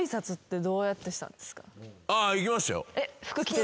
ああ行きましたよ。